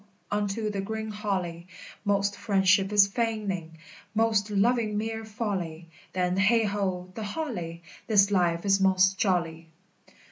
unto the green holly; Most friendship is feigning, most loving mere folly: Then, heigh ho, the holly! This life is most jolly!